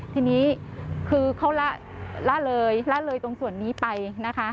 ทีนี้คือเขาละเลยละเลยตรงส่วนนี้ไปนะคะ